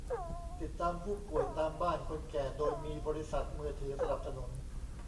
ติดตามผู้ป่วยตามบ้าน คนแก่ โดยมีบริษัทมือถือสนับสนุน